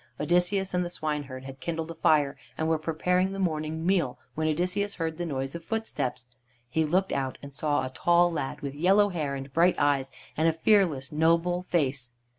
Odysseus and the swineherd had kindled a fire, and were preparing the morning meal, when Odysseus heard the noise of footsteps. He looked out and saw a tall lad with yellow hair and bright eyes, and a fearless, noble face.